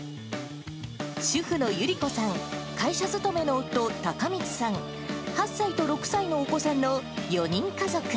主婦の由里子さん、会社勤めの夫、隆光さん、８歳と６歳のお子さんの４人家族。